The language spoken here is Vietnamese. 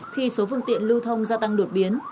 khi số phương tiện lưu thông gia tăng đột biến